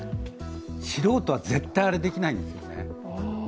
素人は絶対あれできないんですよね。